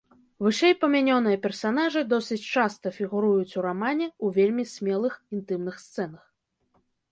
Вышэйпамянёныя персанажы досыць часта фігуруюць ў рамане ў вельмі смелых інтымных сцэнах.